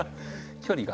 距離が。